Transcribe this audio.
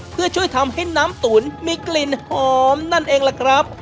เพื่อช่วยทำให้น้ำตุ๋นมีกลิ่นหอมนั่นเองล่ะครับ